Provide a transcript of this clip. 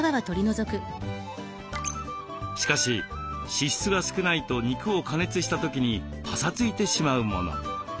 しかし脂質が少ないと肉を加熱した時にパサついてしまうもの。